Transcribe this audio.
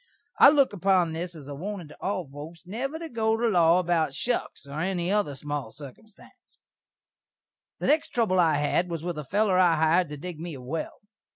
I look upon this as a warnin' to all foaks never to go to law about shuks, or any other small sirkumstanse. The next trubble I had was with a feller I hired to dig me a well.